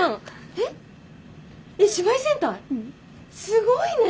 すごいね！